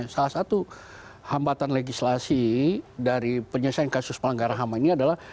salah satu hambatan legislasi dari penyelesaian kasus pelanggaran ham ini adalah